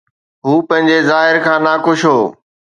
هو پنهنجي ظاهر کان ناخوش هو.